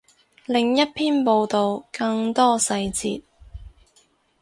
另一篇报道，更多细节